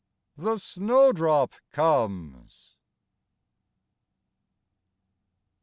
The snowdrop comes